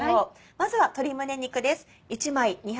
まずは鶏胸肉です。